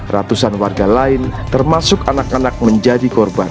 ratusan warga lain termasuk anak anak menjadi korban